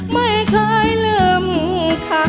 ไม่เคยลืมกลัว